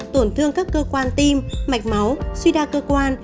tổn thương các cơ quan tim mạch máu suy đa cơ quan